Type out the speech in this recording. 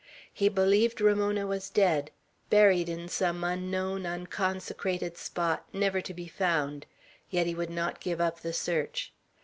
He believed Ramona was dead, buried in some unknown, unconsecrated spot, never to be found; yet he would not give up the search.